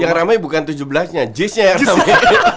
yang rame bukan u tujuh belas nya jizz nya yang rame